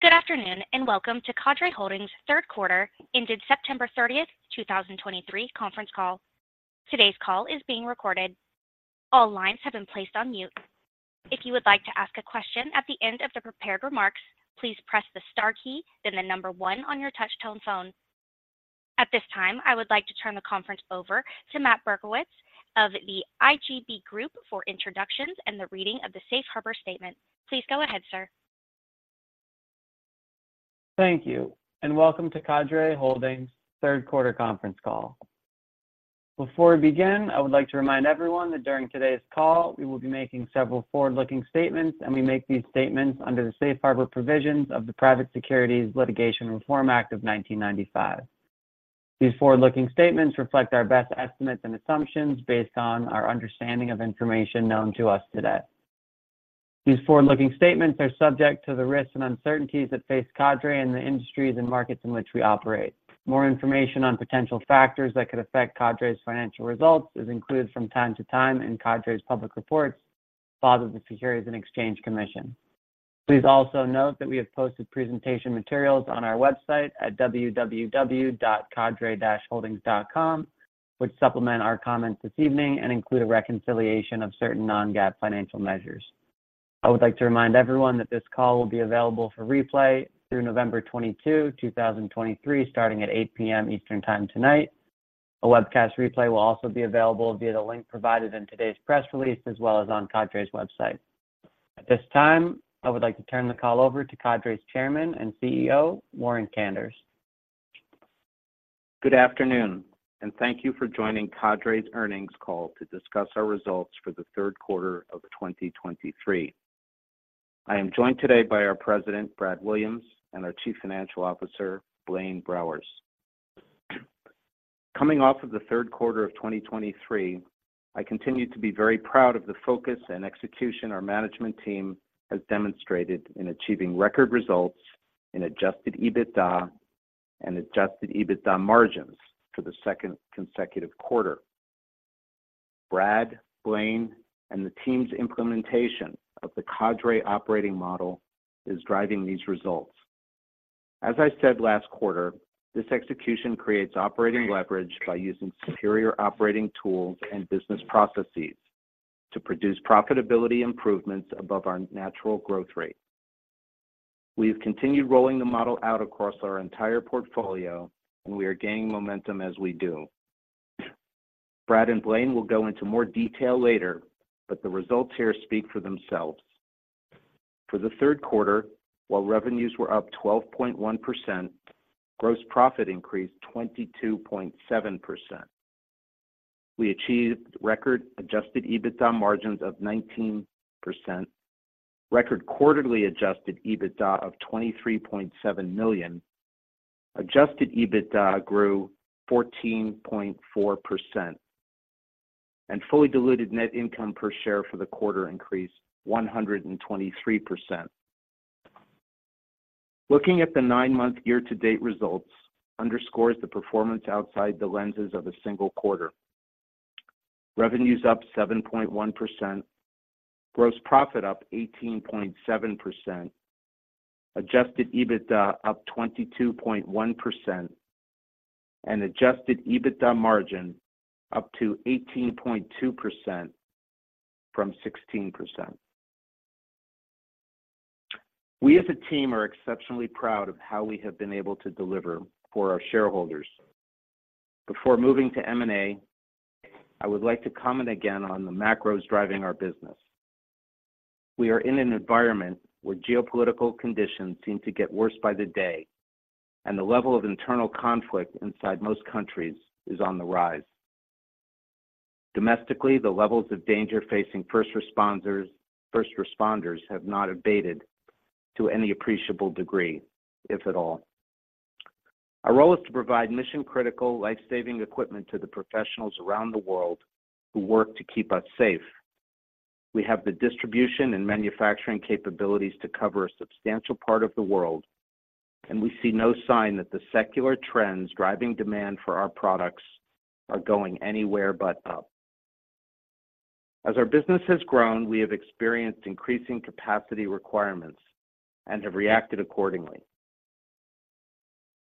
Good afternoon, and welcome to Cadre Holdings' third quarter ended September 30, 2023 conference call. Today's call is being recorded. All lines have been placed on mute. If you would like to ask a question at the end of the prepared remarks, please press the star key, then the number one on your touchtone phone. At this time, I would like to turn the conference over to Matt Berkowitz of the IGB Group for introductions and the reading of the Safe Harbor statement. Please go ahead, sir. Thank you, and welcome to Cadre Holdings' third quarter conference call. Before we begin, I would like to remind everyone that during today's call, we will be making several forward-looking statements, and we make these statements under the Safe Harbor provisions of the Private Securities Litigation Reform Act of 1995. These forward-looking statements reflect our best estimates and assumptions based on our understanding of information known to us today. These forward-looking statements are subject to the risks and uncertainties that face Cadre and the industries and markets in which we operate. More information on potential factors that could affect Cadre's financial results is included from time to time in Cadre's public reports, filed with the Securities and Exchange Commission. Please also note that we have posted presentation materials on our website at www.cadre-holdings.com, which supplement our comments this evening and include a reconciliation of certain non-GAAP financial measures. I would like to remind everyone that this call will be available for replay through November 22, 2023, starting at 8 P.M. Eastern Time tonight. A webcast replay will also be available via the link provided in today's press release, as well as on Cadre's website. At this time, I would like to turn the call over to Cadre's Chairman and CEO, Warren Kanders. Good afternoon, and thank you for joining Cadre's earnings call to discuss our results for the third quarter of 2023. I am joined today by our President, Brad Williams, and our Chief Financial Officer, Blaine Browers. Coming off of the third quarter of 2023, I continue to be very proud of the focus and execution our management team has demonstrated in achieving record results in Adjusted EBITDA and Adjusted EBITDA margins for the second consecutive quarter. Brad, Blaine, and the team's implementation of the Cadre operating model is driving these results. As I said last quarter, this execution creates operating leverage by using superior operating tools and business processes to produce profitability improvements above our natural growth rate. We've continued rolling the model out across our entire portfolio, and we are gaining momentum as we do. Brad and Blaine will go into more detail later, but the results here speak for themselves. For the third quarter, while revenues were up 12.1%, gross profit increased 22.7%. We achieved record Adjusted EBITDA margins of 19%, record quarterly Adjusted EBITDA of $23.7 million. Adjusted EBITDA grew 14.4%, and fully diluted net income per share for the quarter increased 123%. Looking at the nine-month year-to-date results underscores the performance outside the lenses of a single quarter. Revenue's up 7.1%, gross profit up 18.7%, Adjusted EBITDA up 22.1%, and Adjusted EBITDA margin up to 18.2% from 16%. We as a team are exceptionally proud of how we have been able to deliver for our shareholders. Before moving to M&A, I would like to comment again on the macros driving our business. We are in an environment where geopolitical conditions seem to get worse by the day, and the level of internal conflict inside most countries is on the rise. Domestically, the levels of danger facing first responders have not abated to any appreciable degree, if at all. Our role is to provide mission-critical, life-saving equipment to the professionals around the world who work to keep us safe. We have the distribution and manufacturing capabilities to cover a substantial part of the world, and we see no sign that the secular trends driving demand for our products are going anywhere but up. As our business has grown, we have experienced increasing capacity requirements and have reacted accordingly.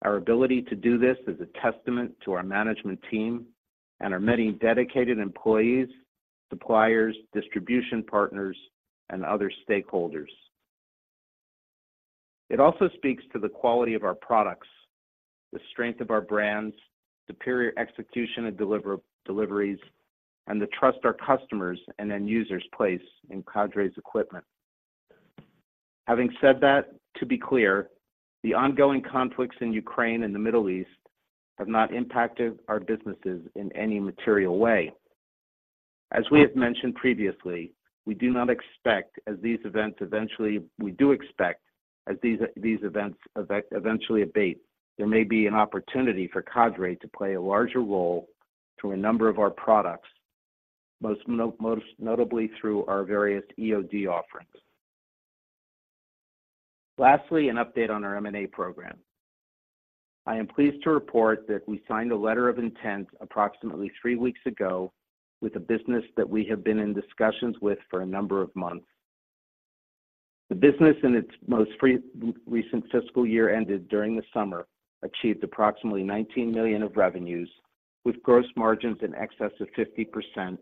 Our ability to do this is a testament to our management team and our many dedicated employees, suppliers, distribution partners, and other stakeholders. It also speaks to the quality of our products, the strength of our brands, superior execution and deliveries, and the trust our customers and end users place in Cadre's equipment. Having said that, to be clear, the ongoing conflicts in Ukraine and the Middle East have not impacted our businesses in any material way. As we have mentioned previously, we do expect as these events eventually abate, there may be an opportunity for Cadre to play a larger role through a number of our products, most notably through our various EOD offerings. Lastly, an update on our M&A program.... I am pleased to report that we signed a Letter of Intent approximately three weeks ago with a business that we have been in discussions with for a number of months. The business, in its most recent fiscal year ended during the summer, achieved approximately $19 million of revenues, with gross margins in excess of 50%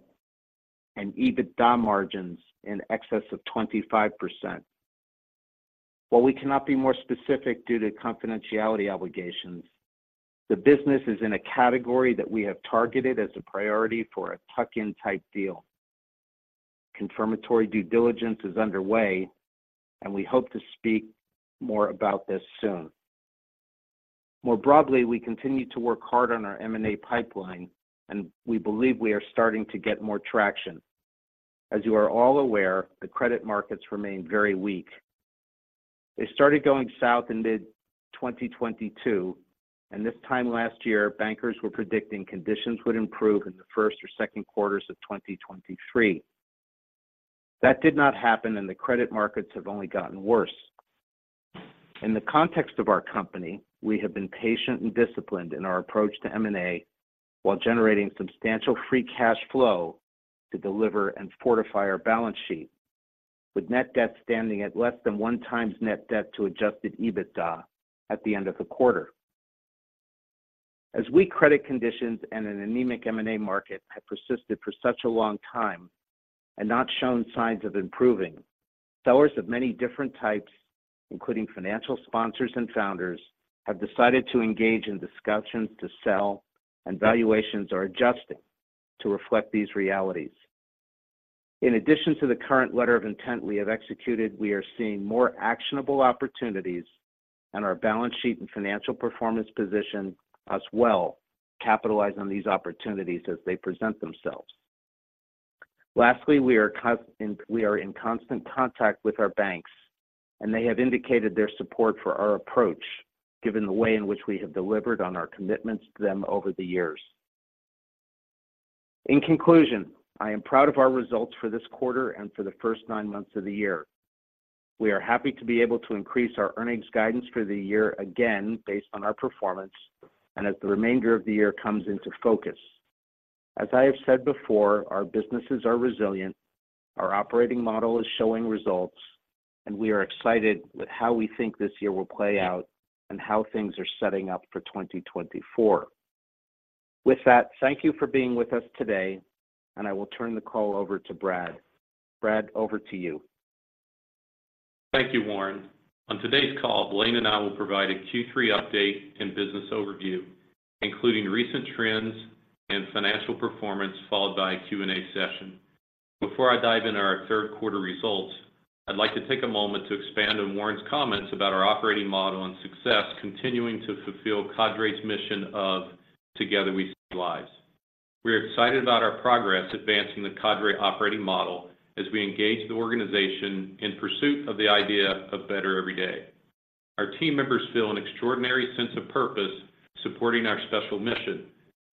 and EBITDA margins in excess of 25%. While we cannot be more specific due to confidentiality obligations, the business is in a category that we have targeted as a priority for a tuck-in type deal. Confirmatory Due Diligence is underway, and we hope to speak more about this soon. More broadly, we continue to work hard on our M&A pipeline, and we believe we are starting to get more traction. As you are all aware, the credit markets remain very weak. They started going south in mid-2022, and this time last year, bankers were predicting conditions would improve in the first or second quarters of 2023. That did not happen, and the credit markets have only gotten worse. In the context of our company, we have been patient and disciplined in our approach to M&A, while generating substantial free cash flow to deliver and fortify our balance sheet, with net debt standing at less than one times net debt to Adjusted EBITDA at the end of the quarter. As weak credit conditions and an anemic M&A market have persisted for such a long time and not shown signs of improving, sellers of many different types, including financial sponsors and founders, have decided to engage in discussions to sell, and valuations are adjusting to reflect these realities. In addition to the current letter of intent we have executed, we are seeing more actionable opportunities, and our balance sheet and financial performance position us well to capitalize on these opportunities as they present themselves. Lastly, we are in constant contact with our banks, and they have indicated their support for our approach, given the way in which we have delivered on our commitments to them over the years. In conclusion, I am proud of our results for this quarter and for the first nine months of the year. We are happy to be able to increase our earnings guidance for the year again, based on our performance and as the remainder of the year comes into focus. As I have said before, our businesses are resilient, our operating model is showing results, and we are excited with how we think this year will play out and how things are setting up for 2024. With that, thank you for being with us today, and I will turn the call over to Brad. Brad, over to you. Thank you, Warren. On today's call, Blaine and I will provide a Q3 update and business overview, including recent trends and financial performance, followed by a Q&A session. Before I dive into our third quarter results, I'd like to take a moment to expand on Warren's comments about our operating model and success continuing to fulfill Cadre's mission of Together We Save Lives. We are excited about our progress advancing the Cadre operating model as we engage the organization in pursuit of the idea of better every day. Our team members feel an extraordinary sense of purpose supporting our special mission,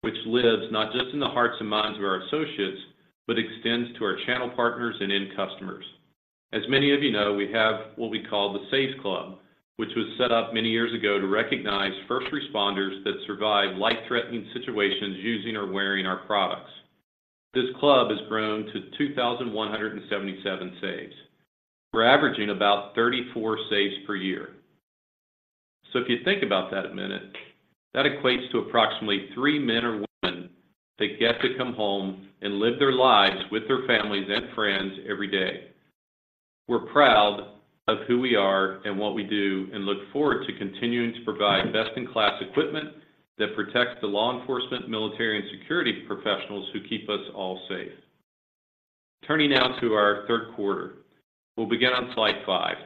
which lives not just in the hearts and minds of our associates, but extends to our channel partners and end customers. As many of you know, we have what we call the Saves Club, which was set up many years ago to recognize first responders that survived life-threatening situations using or wearing our products. This club has grown to 2,177 saves. We're averaging about 34 saves per year. So if you think about that a minute, that equates to approximately three men or women that get to come home and live their lives with their families and friends every day. We're proud of who we are and what we do, and look forward to continuing to provide best-in-class equipment that protects the law enforcement, military, and security professionals who keep us all safe. Turning now to our third quarter. We'll begin on slide five.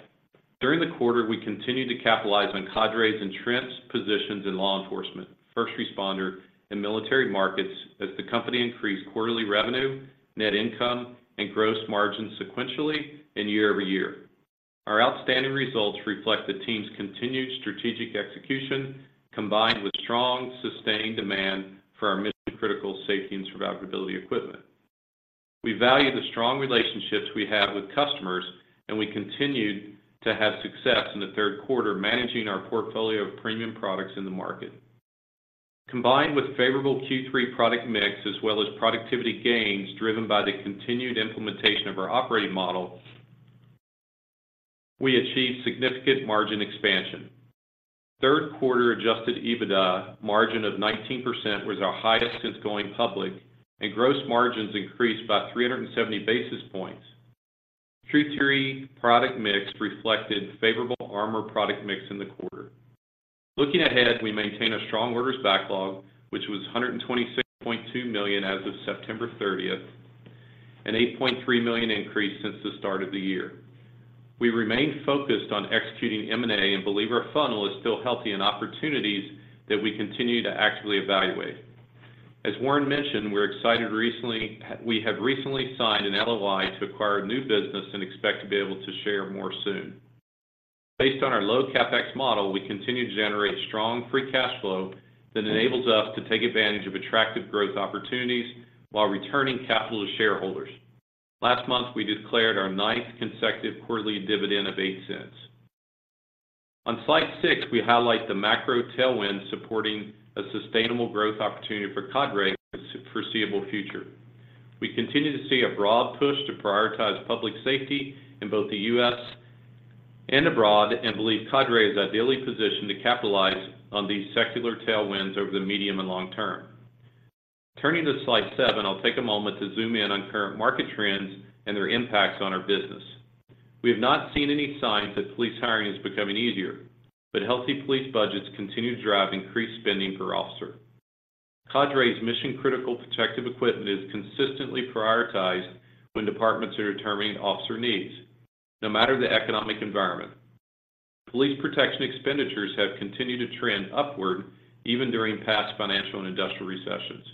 During the quarter, we continued to capitalize on Cadre's entrenched positions in law enforcement, first responder, and military markets as the company increased quarterly revenue, net income, and gross margin sequentially and year-over-year. Our outstanding results reflect the team's continued strategic execution, combined with strong, sustained demand for our mission-critical safety and survivability equipment. We value the strong relationships we have with customers, and we continued to have success in the third quarter, managing our portfolio of premium products in the market. Combined with favorable Q3 product mix, as well as productivity gains driven by the continued implementation of our operating model, we achieved significant margin expansion. Third quarter Adjusted EBITDA margin of 19% was our highest since going public, and gross margins increased by 370 basis points. Q3 product mix reflected favorable armor product mix in the quarter. Looking ahead, we maintain a strong orders backlog, which was $126.2 million as of September 30, an $8.3 million increase since the start of the year. We remain focused on executing M&A and believe our funnel is still healthy in opportunities that we continue to actively evaluate. As Warren mentioned, we have recently signed an LOI to acquire a new business and expect to be able to share more soon. Based on our low CapEx model, we continue to generate strong free cash flow that enables us to take advantage of attractive growth opportunities while returning capital to shareholders. Last month, we declared our ninth consecutive quarterly dividend of $0.08. On Slide 6, we highlight the macro tailwind supporting a sustainable growth opportunity for Cadre in the foreseeable future. We continue to see a broad push to prioritize public safety in both the U.S. and abroad, and believe Cadre is ideally positioned to capitalize on these secular tailwinds over the medium and long term. Turning to Slide 7, I'll take a moment to zoom in on current market trends and their impacts on our business. We have not seen any signs that police hiring is becoming easier, but healthy police budgets continue to drive increased spending per officer. Cadre's mission-critical protective equipment is consistently prioritized when departments are determining officer needs, no matter the economic environment. Police protection expenditures have continued to trend upward, even during past financial and industrial recessions.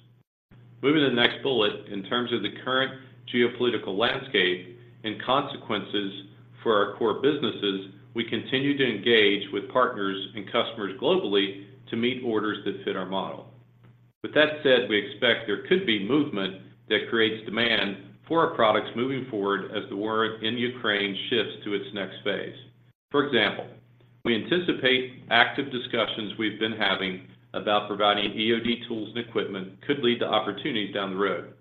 Moving to the next bullet, in terms of the current geopolitical landscape and consequences for our core businesses, we continue to engage with partners and customers globally to meet orders that fit our model. With that said, we expect there could be movement that creates demand for our products moving forward as the war in Ukraine shifts to its next phase. For example, we anticipate active discussions we've been having about providing EOD tools and equipment could lead to opportunities down the road.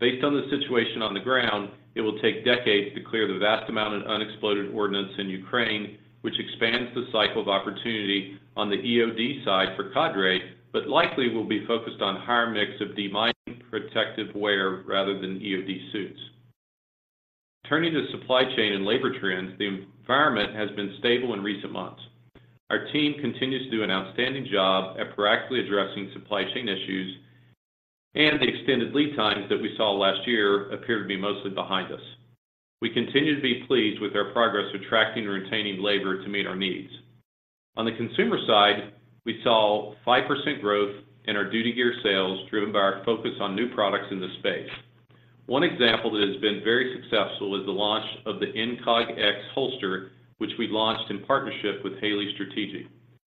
Based on the situation on the ground, it will take decades to clear the vast amount of unexploded ordnance in Ukraine, which expands the cycle of opportunity on the EOD side for Cadre, but likely will be focused on higher mix of demining protective wear rather than EOD suits. Turning to supply chain and labor trends, the environment has been stable in recent months. Our team continues to do an outstanding job at proactively addressing supply chain issues, and the extended lead times that we saw last year appear to be mostly behind us. We continue to be pleased with our progress attracting and retaining labor to meet our needs. On the consumer side, we saw 5% growth in our duty gear sales, driven by our focus on new products in the space. One example that has been very successful is the launch of the Incog X holster, which we launched in partnership with Haley Strategic.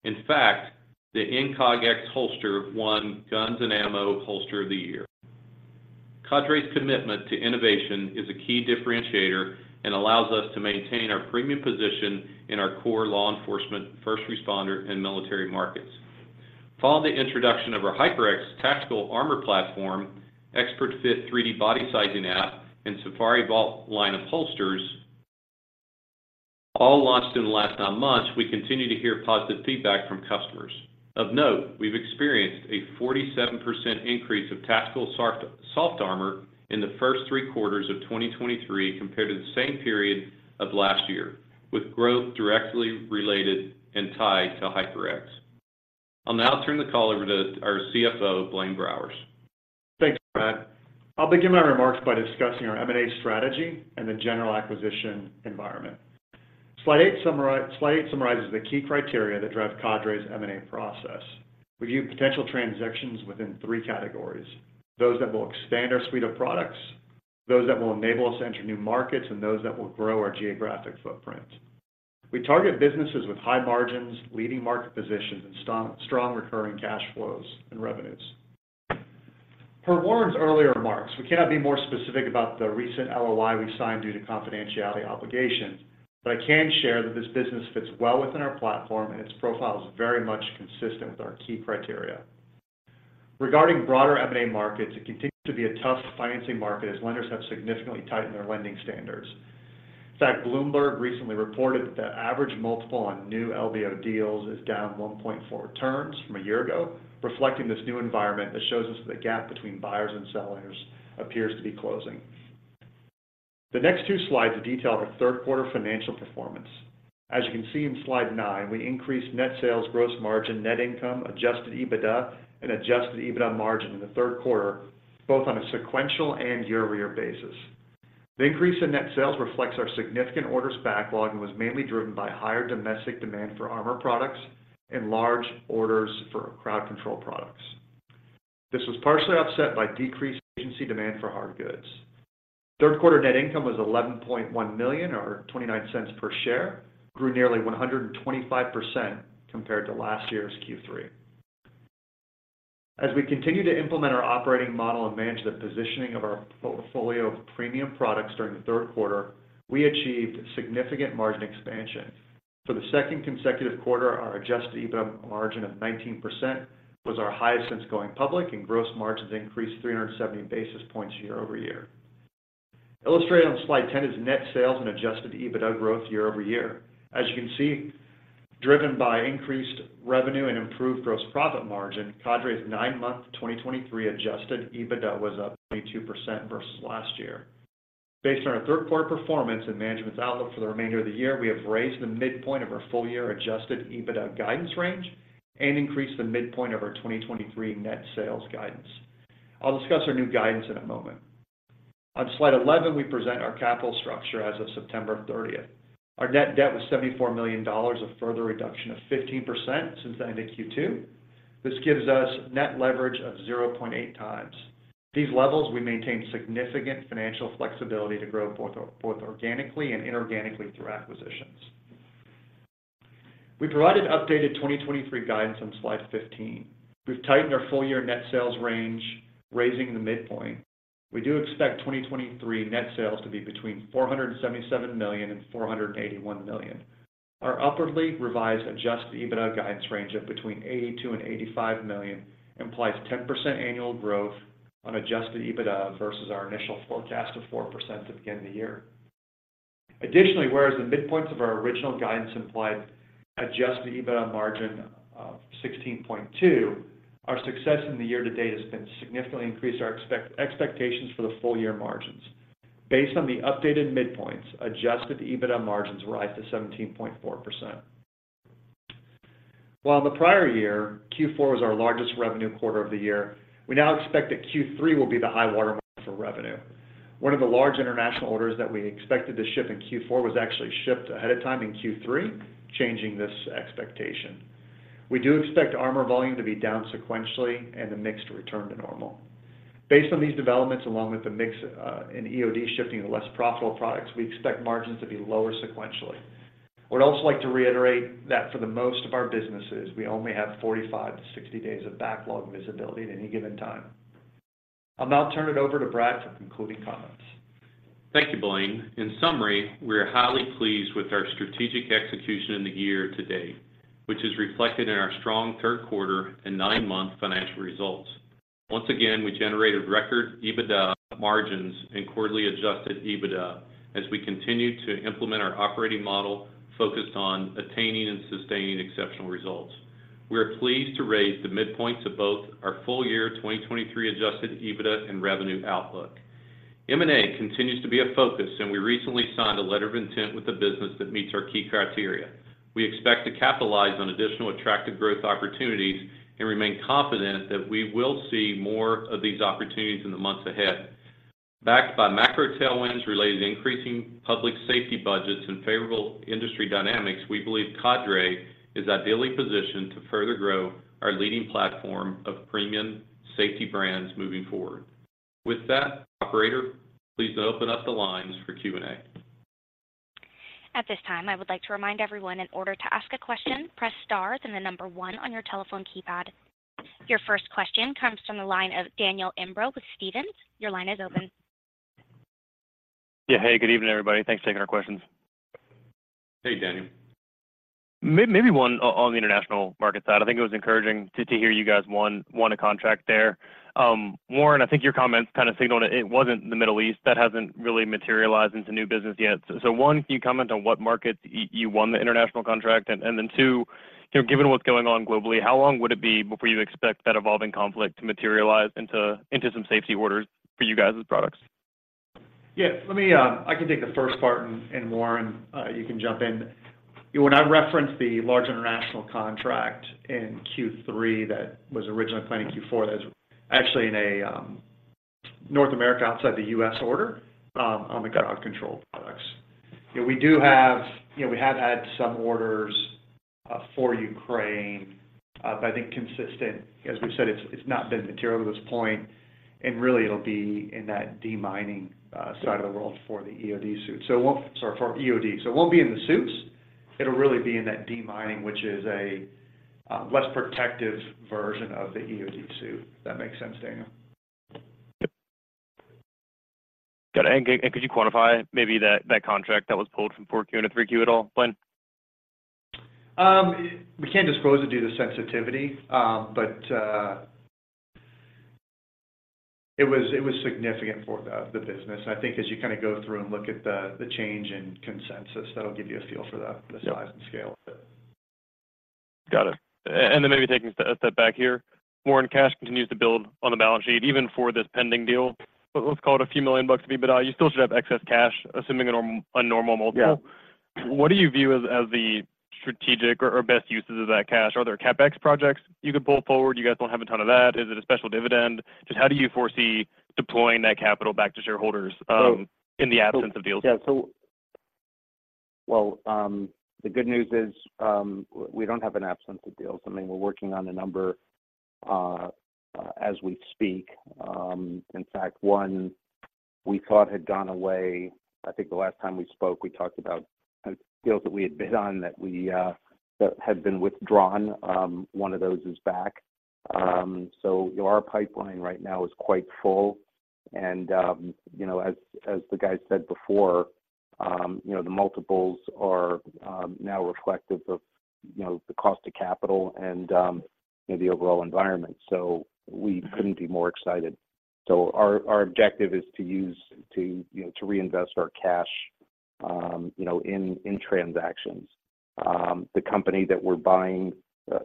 In fact, the Incog X holster won Guns & Ammo Holster of the Year. Cadre's commitment to innovation is a key differentiator and allows us to maintain our premium position in our core law enforcement, first responder, and military markets. Following the introduction of our HyperX tactical armor platform, ExpertFit 3D body sizing app, and SafariVault line of holsters, all launched in the last nine months, we continue to hear positive feedback from customers. Of note, we've experienced a 47% increase of tactical soft armor in the first three quarters of 2023 compared to the same period of last year, with growth directly related and tied to HyperX. I'll now turn the call over to our CFO, Blaine Browers. Thanks, Brad. I'll begin my remarks by discussing our M&A strategy and the general acquisition environment. Slide eight summarizes the key criteria that drive Cadre's M&A process. We view potential transactions within three categories: those that will expand our suite of products, those that will enable us to enter new markets, and those that will grow our geographic footprint. We target businesses with high margins, leading market positions, and strong, strong recurring cash flows and revenues. Per Warren's earlier remarks, we cannot be more specific about the recent LOI we signed due to confidentiality obligations, but I can share that this business fits well within our platform, and its profile is very much consistent with our key criteria. Regarding broader M&A markets, it continues to be a tough financing market as lenders have significantly tightened their lending standards. In fact, Bloomberg recently reported that the average multiple on new LBO deals is down 1.4 turns from a year ago, reflecting this new environment that shows us that the gap between buyers and sellers appears to be closing. The next two slides detail our third quarter financial performance. As you can see in Slide 9, we increased net sales, gross margin, net income, Adjusted EBITDA, and Adjusted EBITDA margin in the third quarter, both on a sequential and year-over-year basis. The increase in net sales reflects our significant orders backlog and was mainly driven by higher domestic demand for armor products and large orders for crowd control products. This was partially offset by decreased agency demand for hard goods. Third quarter net income was $11.1 million, or $0.29 per share, grew nearly 125% compared to last year's Q3. As we continue to implement our operating model and manage the positioning of our portfolio of premium products during the third quarter, we achieved significant margin expansion. For the second consecutive quarter, our adjusted EBITDA margin of 19% was our highest since going public, and gross margins increased 370 basis points year-over-year. Illustrated on Slide 10 is net sales and adjusted EBITDA growth year-over-year. As you can see, driven by increased revenue and improved gross profit margin, Cadre's nine-month 2023 adjusted EBITDA was up 22% versus last year. Based on our third quarter performance and management's outlook for the remainder of the year, we have raised the midpoint of our full-year adjusted EBITDA guidance range and increased the midpoint of our 2023 net sales guidance. I'll discuss our new guidance in a moment. On Slide 11, we present our capital structure as of September 30. Our net debt was $74 million, a further reduction of 15% since the end of Q2. This gives us net leverage of 0.8x. These levels, we maintain significant financial flexibility to grow both organically and inorganically through acquisitions. We provided updated 2023 guidance on slide 15. We've tightened our full year net sales range, raising the midpoint. We do expect 2023 net sales to be between $477 million and $481 million. Our upwardly revised adjusted EBITDA guidance range of between $82 million and $85 million implies 10% annual growth on adjusted EBITDA versus our initial forecast of 4% at the beginning of the year. Additionally, whereas the midpoints of our original guidance implied Adjusted EBITDA margin of 16.2, our success in the year-to-date has significantly increased our expectations for the full year margins. Based on the updated midpoints, Adjusted EBITDA margins rise to 17.4%. While in the prior year, Q4 was our largest revenue quarter of the year, we now expect that Q3 will be the high water mark for revenue. One of the large international orders that we expected to ship in Q4 was actually shipped ahead of time in Q3, changing this expectation. We do expect armor volume to be down sequentially and the mix to return to normal. Based on these developments, along with the mix in EOD shifting to less profitable products, we expect margins to be lower sequentially. I would also like to reiterate that for the most of our businesses, we only have 45-60 days of backlog visibility at any given time. I'll now turn it over to Brad for concluding comments. Thank you, Blaine. In summary, we are highly pleased with our strategic execution in the year to date, which is reflected in our strong third quarter and 9-month financial results. Once again, we generated record EBITDA margins and quarterly adjusted EBITDA as we continued to implement our operating model focused on attaining and sustaining exceptional results. We are pleased to raise the midpoints of both our full year 2023 adjusted EBITDA and revenue outlook. M&A continues to be a focus, and we recently signed a letter of intent with a business that meets our key criteria. We expect to capitalize on additional attractive growth opportunities and remain confident that we will see more of these opportunities in the months ahead. Backed by macro tailwinds related to increasing public safety budgets and favorable industry dynamics, we believe Cadre is ideally positioned to further grow our leading platform of premium safety brands moving forward. With that, operator, please open up the lines for Q&A. At this time, I would like to remind everyone, in order to ask a question, press star, then the number one on your telephone keypad. Your first question comes from the line of Daniel Imbro with Stephens. Your line is open. Yeah. Hey, good evening, everybody. Thanks for taking our questions. Hey, Daniel. Maybe one on the international market side. I think it was encouraging to hear you guys won a contract there. Warren, I think your comments kind of signaled it wasn't the Middle East. That hasn't really materialized into new business yet. So one, can you comment on what markets you won the international contract? And then two, you know, given what's going on globally, how long would it be before you expect that evolving conflict to materialize into some safety orders for you guys' products? Yeah, let me. I can take the first part, and Warren, you can jump in. When I referenced the large international contract in Q3 that was originally planned in Q4, that's actually in a North America outside the U.S. order on the gun control products. We do have—you know, we have had some orders for Ukraine, but I think consistent, as we've said, it's not been material to this point, and really, it'll be in that demining side of the world for the EOD suit. So it won't—Sorry, for EOD. So it won't be in the suits. It'll really be in that demining, which is a less protective version of the EOD suit. Does that make sense, Daniel? Yep. Got it. And could you quantify maybe that contract that was pulled from 4Q and a 3Q at all, Blaine? We can't disclose it due to sensitivity, but it was significant for the business. I think as you kinda go through and look at the change in consensus, that'll give you a feel for the- Yep... the size and scale of it. Got it. And then maybe taking a step back here. Warren, cash continues to build on the balance sheet, even for this pending deal. Let's call it a few million bucks of EBITDA. You still should have excess cash, assuming a normal multiple. Yeah. What do you view as the strategic or best uses of that cash? Are there CapEx projects you could pull forward? You guys don't have a ton of that. Is it a special dividend? Just how do you foresee deploying that capital back to shareholders? So- in the absence of deals? Yeah, so, well, the good news is, we don't have an absence of deals. I mean, we're working on a number, as we speak. In fact, one we thought had gone away, I think the last time we spoke, we talked about deals that we had bid on that had been withdrawn. One of those is back. So our pipeline right now is quite full, and, you know, as the guy said before, you know, the multiples are now reflective of, you know, the cost of capital and, you know, the overall environment, so we couldn't be more excited. So our objective is to use, you know, to reinvest our cash, you know, in transactions. The company that we're buying,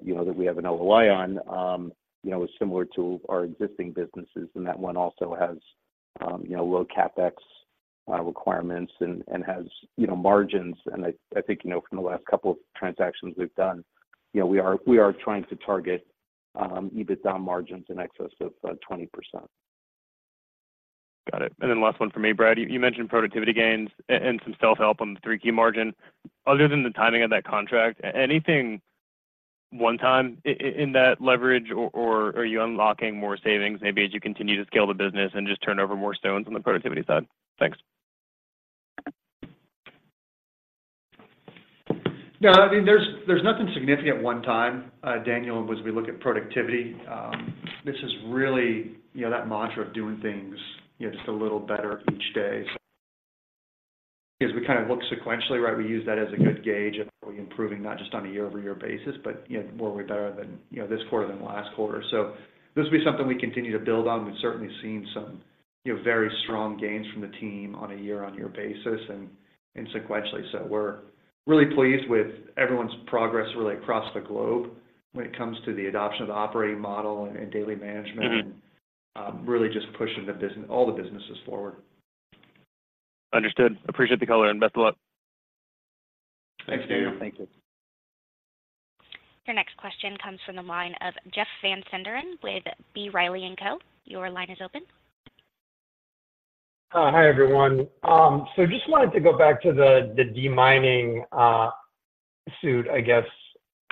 you know, that we have an LOI on, you know, is similar to our existing businesses, and that one also has, you know, low CapEx requirements and, and has, you know, margins. I, I think, you know, from the last couple of transactions we've done, you know, we are, we are trying to target EBITDA margins in excess of 20%. Got it. And then last one from me, Brad. You mentioned productivity gains and some self-help on the 3% margin. Other than the timing of that contract, anything?... one time in that leverage, or are you unlocking more savings maybe as you continue to scale the business and just turn over more stones on the productivity side? Thanks. Yeah, I mean, there's nothing significant one time, Daniel, as we look at productivity. This is really, you know, that mantra of doing things, you know, just a little better each day. As we kind of look sequentially, right? We use that as a good gauge of are we improving, not just on a year-over-year basis, but, you know, were we better than, you know, this quarter than last quarter? So this will be something we continue to build on. We've certainly seen some, you know, very strong gains from the team on a year-over-year basis and sequentially. So we're really pleased with everyone's progress really across the globe when it comes to the adoption of the operating model and daily management- Mm-hmm... really just pushing the business, all the businesses forward. Understood. Appreciate the color, and best of luck. Thanks, Daniel. Thank you. Your next question comes from the line of Jeff Van Sinderen with B. Riley & Co. Your line is open. Hi, everyone. So just wanted to go back to the demining suit, I guess,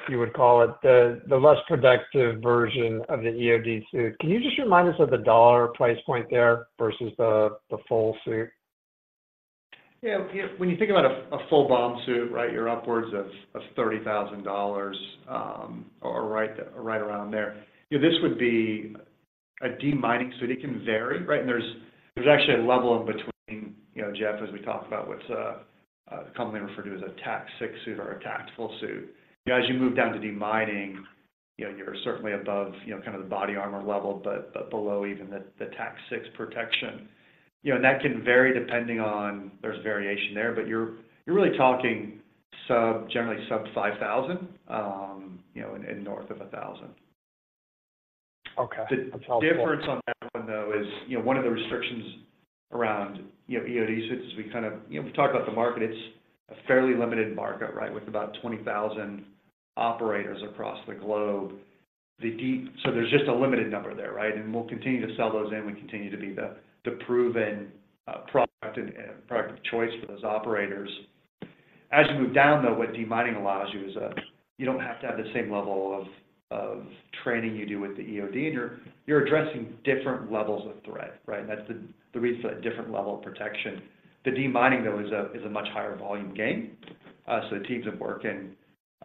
you would call it, the less productive version of the EOD suit. Can you just remind us of the dollar price point there versus the full suit? Yeah, yeah. When you think about a full bomb suit, right, you're upwards of $30,000 or right around there. Yeah, this would be a demining suit. It can vary, right? And there's actually a level in between, you know, Jeff, as we talk about what's commonly referred to as a TAC 6 suit or a tactical suit. As you move down to demining, you know, you're certainly above kind of the body armor level, but below even the TAC 6 protection. You know, and that can vary depending on, there's variation there, but you're really talking generally sub-$5,000, you know, and north of $1,000. Okay. That's helpful. The difference on that one, though, is, you know, one of the restrictions around, you know, EOD suits is we kind of... You know, we've talked about the market. It's a fairly limited market, right? With about 20,000 operators across the globe. So there's just a limited number there, right? And we'll continue to sell those in. We continue to be the proven product of choice for those operators. As you move down, though, what demining allows you is you don't have to have the same level of training you do with the EOD, and you're addressing different levels of threat, right? That's the reason for that different level of protection. The demining, though, is a much higher volume game. So the teams have working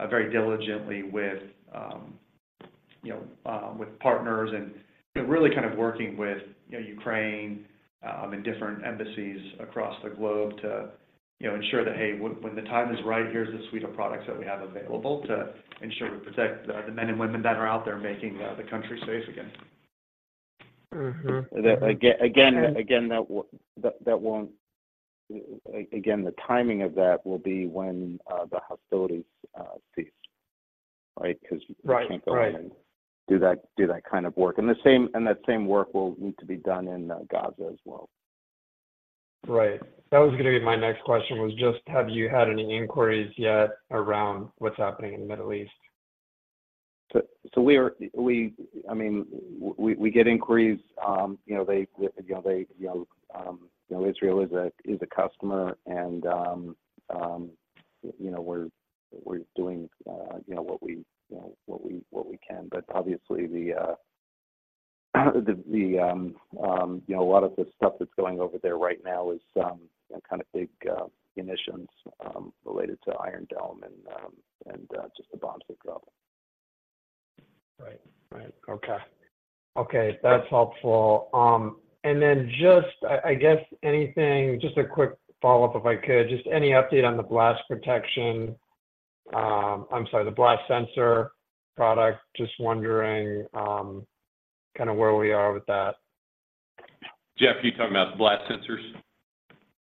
very diligently with, you know, with partners and, you know, really kind of working with, you know, Ukraine and different embassies across the globe to, you know, ensure that, "Hey, when the time is right, here's a suite of products that we have available to ensure we protect the men and women that are out there making the country safe again. Mm-hmm. Again, again, that won't... Again, the timing of that will be when the hostilities cease, right? Right. Right. Because you can't go in and do that kind of work. And that same work will need to be done in Gaza as well. Right. That was gonna be my next question, was just, have you had any inquiries yet around what's happening in the Middle East? So we are, I mean, we get inquiries. You know, they, you know, Israel is a customer, and you know, we're doing what we can. But obviously, you know, a lot of the stuff that's going over there right now is you know, kind of big munitions related to Iron Dome and just the bombs they drop. Right. Right. Okay. Okay, that's helpful. And then just a quick follow-up, if I could, just any update on the blast protection, I'm sorry, the blast sensor product? Just wondering, kind of where we are with that. Jeff, are you talking about the blast sensors?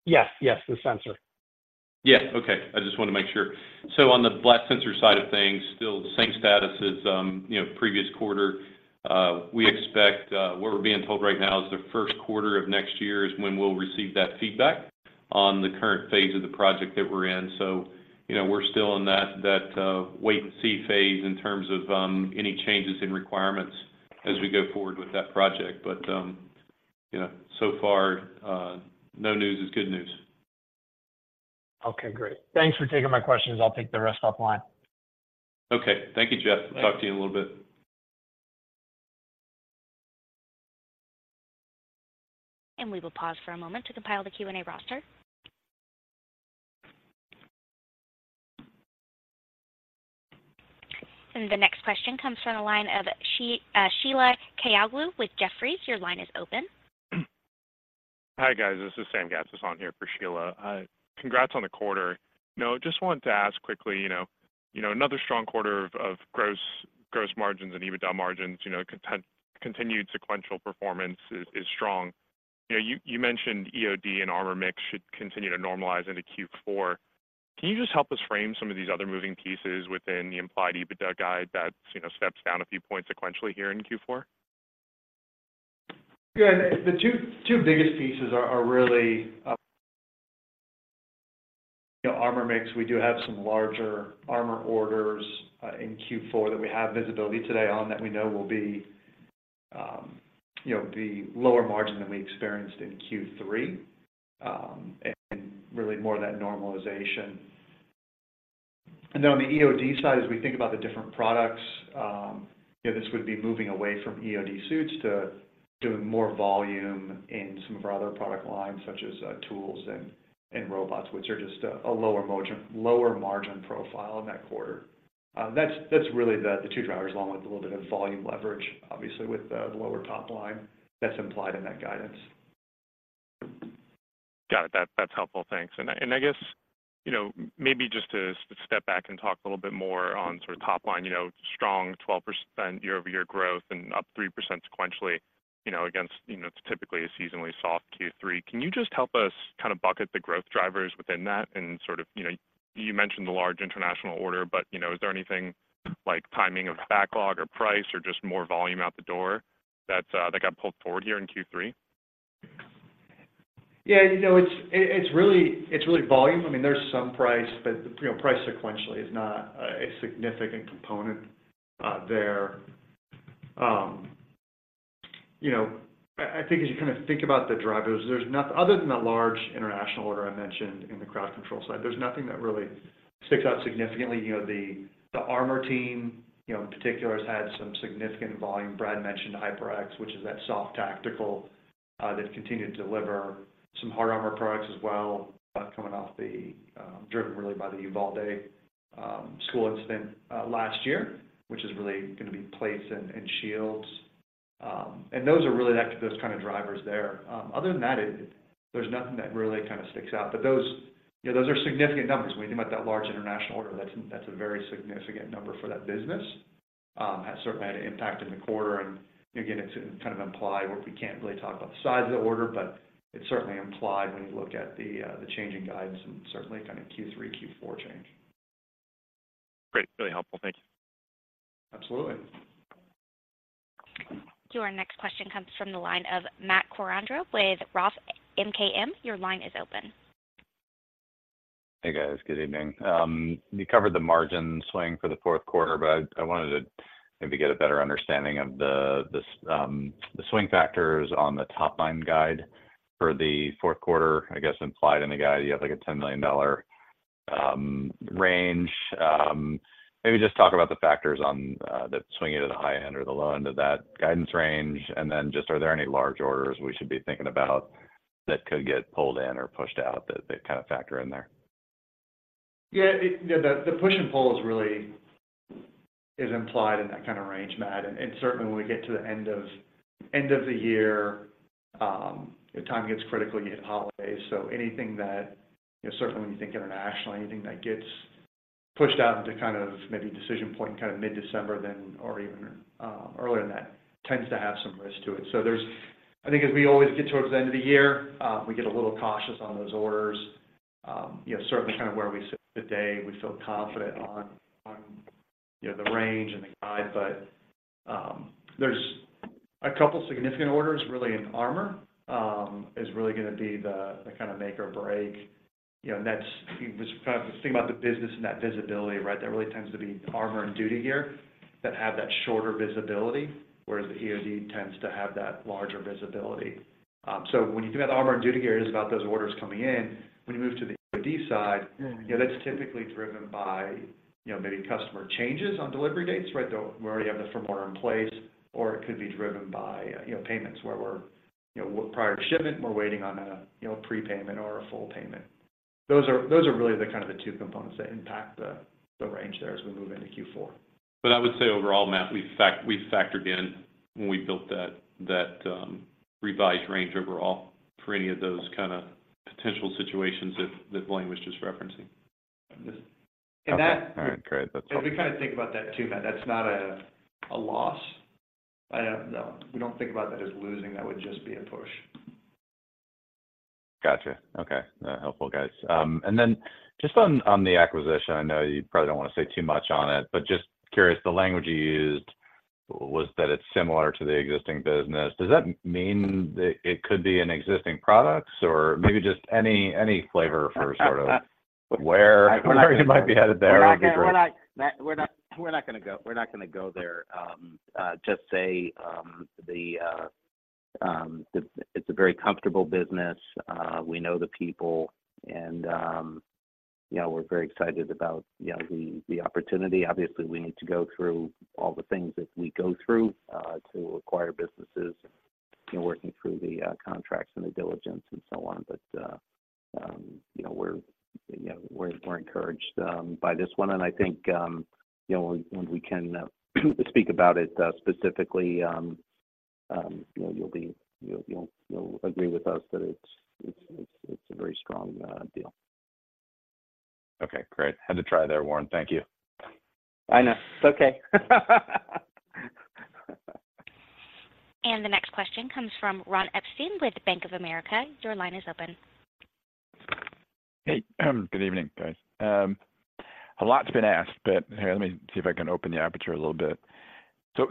Yes, yes, the sensor. Yeah. Okay, I just wanted to make sure. So on the blast sensor side of things, still the same status as, you know, previous quarter. We expect, what we're being told right now is the first quarter of next year is when we'll receive that feedback on the current phase of the project that we're in. So, you know, we're still in that wait and see phase in terms of any changes in requirements- Okay - as we go forward with that project. But, you know, so far, no news is good news. Okay, great. Thanks for taking my questions. I'll take the rest offline. Okay. Thank you, Jeff. Thanks. Talk to you in a little bit. And we will pause for a moment to compile the Q&A roster. And the next question comes from the line of Sheila Kahyaoglu with Jefferies. Your line is open. Hi, guys. This is Sam Gassison here for Sheila. Congrats on the quarter. You know, just wanted to ask quickly, you know, another strong quarter of gross margins and EBITDA margins, you know, continued sequential performance is strong. You know, you mentioned EOD and armor mix should continue to normalize into Q4. Can you just help us frame some of these other moving pieces within the implied EBITDA guide that, you know, steps down a few points sequentially here in Q4? Yeah. The two biggest pieces are really, you know, armor mix. We do have some larger armor orders in Q4 that we have visibility today on, that we know will be you know, the lower margin than we experienced in Q3, and really more of that normalization. And then on the EOD side, as we think about the different products, you know, this would be moving away from EOD suits to doing more volume in some of our other product lines, such as tools and robots, which are just a lower margin profile in that quarter. That's really the two drivers, along with a little bit of volume leverage, obviously, with the lower top line that's implied in that guidance. Got it. That, that's helpful. Thanks. And I, and I guess, you know, maybe just to, just step back and talk a little bit more on sort of top line, you know, strong 12% year-over-year growth and up 3% sequentially, you know, against, you know, it's typically a seasonally soft Q3. Can you just help us kind of bucket the growth drivers within that and sort of... You know, you mentioned the large international order, but, you know, is there anything like timing of backlog or price or just more volume out the door that, that got pulled forward here in Q3? Yeah, you know, it's really volume. I mean, there's some price, but, you know, price sequentially is not a significant component there. You know, I think as you kind of think about the drivers, other than the large international order I mentioned in the crowd control side, there's nothing that really sticks out significantly. You know, the armor team, you know, in particular, has had some significant volume. Brad mentioned HyperX, which is that soft tactical that continued to deliver some hard armor products as well, coming off the driven really by the Uvalde school incident last year, which is really gonna be plates and shields. And those are really those kind of drivers there. Other than that, there's nothing that really kind of sticks out. But those, you know, those are significant numbers. When you think about that large international order, that's a very significant number for that business. Has certainly had an impact in the quarter, and again, it's kind of implied. We can't really talk about the size of the order, but it's certainly implied when you look at the change in guidance and certainly kind of Q3, Q4 change. Great. Really helpful. Thank you. Absolutely. Your next question comes from the line of Matt Koranda with Roth MKM. Your line is open. Hey, guys. Good evening. You covered the margin swing for the fourth quarter, but I, I wanted to maybe get a better understanding of the, the, the swing factors on the top-line guide for the fourth quarter. I guess implied in the guide, you have, like, a $10 million range. Maybe just talk about the factors on, that swing it at the high end or the low end of that guidance range. And then just, are there any large orders we should be thinking about that could get pulled in or pushed out, that, that kind of factor in there? Yeah, Yeah, the push and pull is really is implied in that kind of range, Matt. And certainly when we get to the end of the year, time gets critical. You hit holidays, so anything that, you know, certainly when you think internationally, anything that gets pushed out into kind of maybe decision point, kind of mid-December then, or even earlier than that, tends to have some risk to it. So there's, I think, as we always get towards the end of the year, we get a little cautious on those orders. You know, certainly kind of where we sit today, we feel confident on you know, the range and the guide, but there's a couple significant orders really in armor is really gonna be the kind of make or break. You know, and that's, we kind of think about the business and that visibility, right? That really tends to be armor and duty gear that have that shorter visibility, whereas the EOD tends to have that larger visibility. So when you think about armor and duty gear, it is about those orders coming in. When you move to the EOD side, you know, that's typically driven by, you know, maybe customer changes on delivery dates, right? We already have the firmware in place, or it could be driven by, you know, payments where we're, you know, prior to shipment, we're waiting on a, you know, prepayment or a full payment. Those are really the kind of the two components that impact the range there as we move into Q4. But I would say overall, Matt, we factored in when we built that revised range overall for any of those kind of potential situations that Blaine was just referencing. And that- Okay. All right, great. That's helpful. If you kind of think about that too, Matt, that's not a loss. I, no, we don't think about that as losing. That would just be a push. Gotcha. Okay. Helpful, guys. And then just on the acquisition, I know you probably don't want to say too much on it, but just curious, the language you used was that it's similar to the existing business. Does that mean that it could be an existing products? Or maybe just any flavor for sort of where you might be headed there would be great. We're not gonna go there, Matt. Just say the it's a very comfortable business. We know the people, and you know, we're very excited about you know, the opportunity. Obviously, we need to go through all the things that we go through to acquire businesses, you know, working through the contracts and the diligence and so on. But you know, we're encouraged by this one. And I think you know, when we can speak about it specifically, you know, you'll agree with us that it's a very strong deal. Okay, great. Had to try there, Warren. Thank you. I know. It's okay. The next question comes from Ron Epstein with Bank of America. Your line is open. Hey, good evening, guys. A lot's been asked, but, hey, let me see if I can open the aperture a little bit.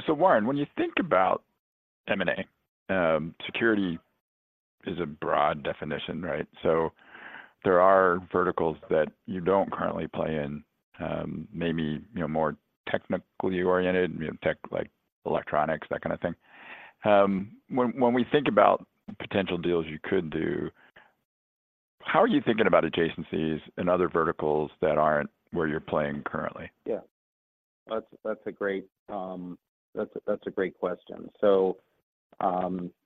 So, Warren, when you think about M&A, security-... is a broad definition, right? So there are verticals that you don't currently play in, maybe, you know, more technically oriented, you know, tech, like electronics, that kind of thing. When we think about potential deals you could do, how are you thinking about adjacencies in other verticals that aren't where you're playing currently? Yeah. That's a great question. So,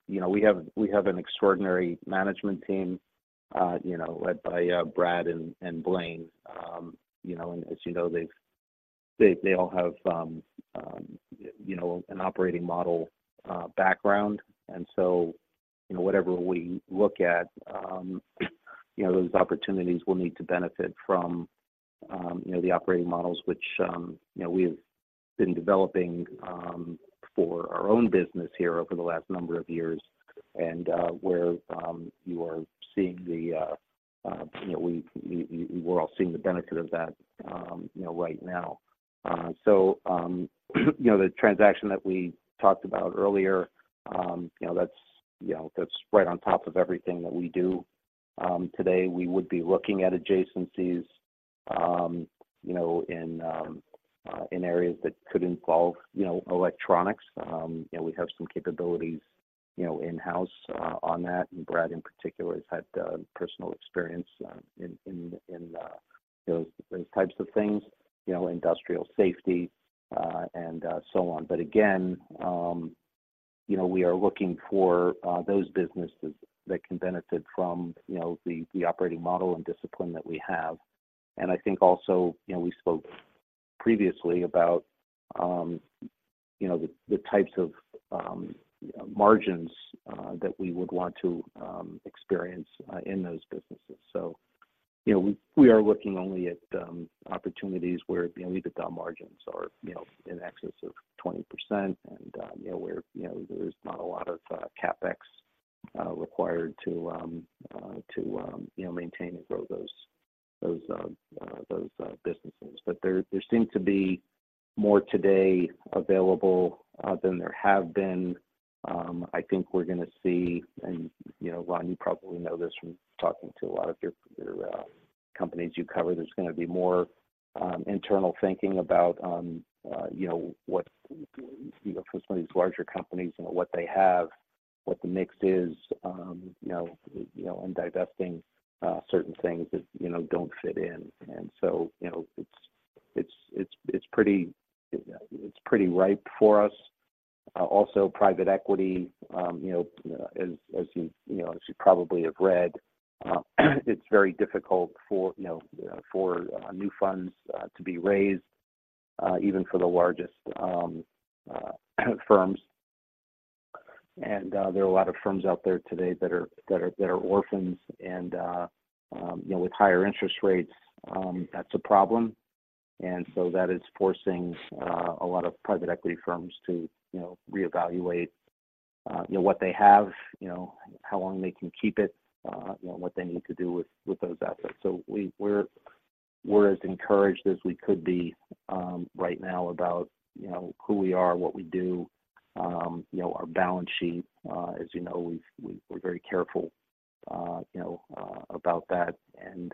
you know, we have an extraordinary management team, you know, led by Brad and Blaine. You know, and as you know, they all have you know, an operating model background. And so, you know, whatever we look at, you know, those opportunities will need to benefit from, you know, the operating models, which, you know, we have been developing, for our own business here over the last number of years. And where you are seeing, you know, we're all seeing the benefit of that, you know, right now. You know, the transaction that we talked about earlier, you know, that's right on top of everything that we do. Today, we would be looking at adjacencies, you know, in areas that could involve, you know, electronics. You know, we have some capabilities, you know, in-house on that, and Brad, in particular, has had personal experience in those types of things, you know, industrial safety and so on. But again, you know, we are looking for those businesses that can benefit from, you know, the operating model and discipline that we have. I think also, you know, we spoke previously about, you know, the types of margins that we would want to experience in those businesses. So, you know, we are looking only at opportunities where, you know, EBITDA margins are, you know, in excess of 20% and, you know, where, you know, there's not a lot of CapEx required to, you know, maintain and grow those businesses. But there seem to be more today available than there have been. I think we're gonna see, and, you know, Ron, you probably know this from talking to a lot of your companies you cover, there's gonna be more internal thinking about, you know, what, you know, for some of these larger companies, you know, what the mix is, you know, and divesting certain things that, you know, don't fit in. And so, you know, it's pretty ripe for us. Also, private equity, you know, as you know, as you probably have read, it's very difficult for, you know, for new funds to be raised, even for the largest firms. And there are a lot of firms out there today that are orphans, and you know, with higher interest rates, that's a problem. And so that is forcing a lot of private equity firms to, you know, reevaluate, you know, what they have, you know, how long they can keep it, you know, what they need to do with those assets. So we're as encouraged as we could be right now about, you know, who we are, what we do, you know, our balance sheet. As you know, we're very careful about that. And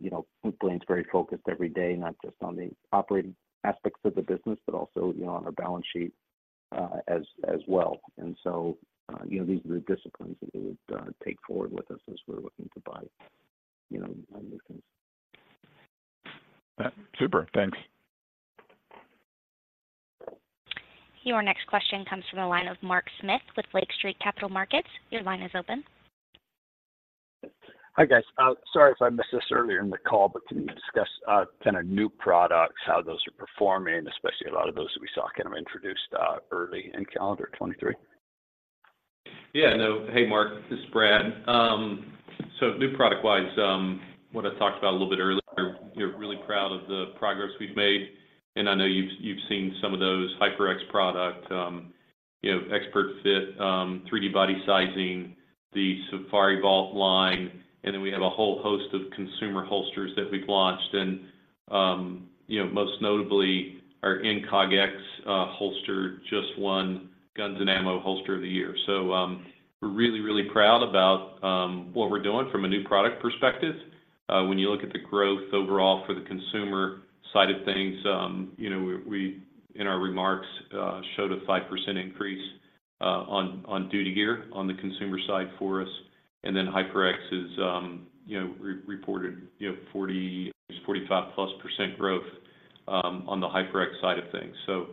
you know, Blaine's very focused every day, not just on the operating aspects of the business, but also, you know, on our balance sheet as well. And so you know, these are the disciplines that we would take forward with us as we're looking to buy, you know, new things. Super. Thanks. Your next question comes from the line of Mark Smith with Lake Street Capital Markets. Your line is open. Hi, guys. Sorry if I missed this earlier in the call, but can you discuss kind of new products, how those are performing, especially a lot of those that we saw kind of introduced early in calendar 2023? Yeah, no. Hey, Mark, this is Brad. So new product-wise, what I talked about a little bit earlier, we're really proud of the progress we've made, and I know you've, you've seen some of those HyperX product, you know, ExpertFit 3D body sizing, the SafariVault line, and then we have a whole host of consumer holsters that we've launched. And, you know, most notably, our Incog X holster just won Guns & Ammo Holster of the Year. So, we're really, really proud about what we're doing from a new product perspective. When you look at the growth overall for the consumer side of things, you know, we, we, in our remarks, showed a 5% increase on duty gear on the consumer side for us. And then HyperX is, you know, reported, you know, 40%-45+% growth on the HyperX side of things. So,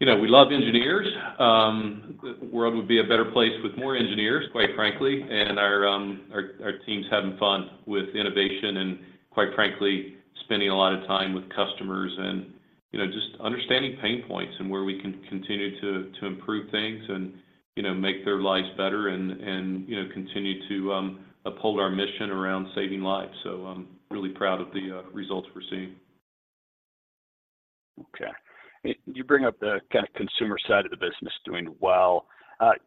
you know, we love engineers. The world would be a better place with more engineers, quite frankly, and our team's having fun with innovation and, quite frankly, spending a lot of time with customers and, you know, just understanding pain points and where we can continue to improve things and, you know, make their lives better and you know, continue to uphold our mission around saving lives. So I'm really proud of the results we're seeing. Okay. You bring up the kind of consumer side of the business doing well.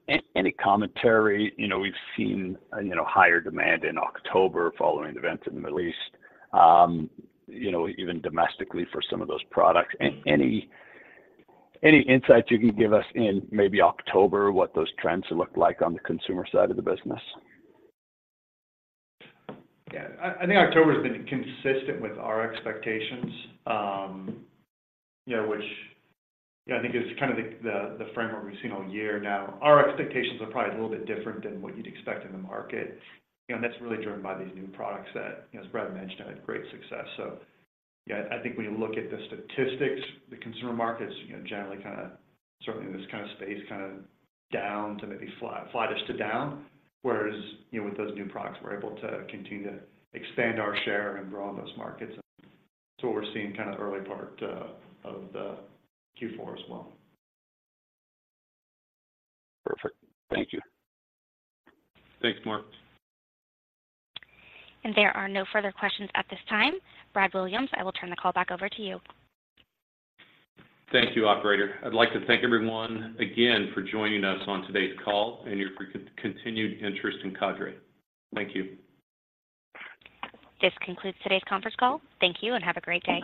Any, any commentary? You know, we've seen, you know, higher demand in October following events in the Middle East, you know, even domestically for some of those products. Any, any insights you can give us in maybe October, what those trends look like on the consumer side of the business? Yeah. I, I think October's been consistent with our expectations, you know, which I think is kind of the framework we've seen all year now. Our expectations are probably a little bit different than what you'd expect in the market, you know, and that's really driven by these new products that, as Brad mentioned, had great success. So yeah, I think when you look at the statistics, the consumer markets, you know, generally kinda... certainly in this kind of space, kind of down to maybe flat, flattish to down, whereas, you know, with those new products, we're able to continue to expand our share and grow in those markets. So what we're seeing kind of early part of the Q4 as well. Perfect. Thank you. Thanks, Mark. There are no further questions at this time. Brad Williams, I will turn the call back over to you. Thank you, operator. I'd like to thank everyone again for joining us on today's call and your continued interest in Cadre. Thank you. This concludes today's conference call. Thank you, and have a great day.